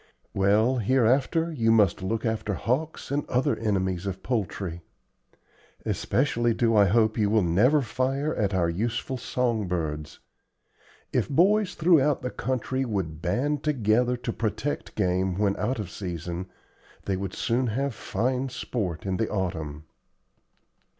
"Well, hereafter you must look after hawks, and other enemies of poultry. Especially do I hope you will never fire at our useful song birds. If boys throughout the country would band together to protect game when out of season, they would soon have fine sport in the autumn."